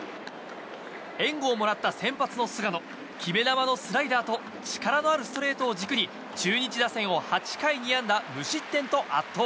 援護をもらった先発の菅野決め球のスライダーと力のあるストレートを軸に中日打線を８回２安打無失点と圧倒。